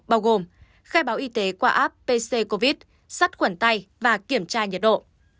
bao gồm khai báo y tế qua app pc covid sắt quẩn tay và kiểm tra nhiệt độ